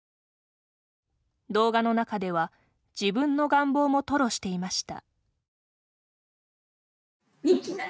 動画の中では自分の願望も吐露していました。